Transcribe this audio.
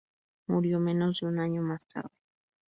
Murió menos de un año más tarde.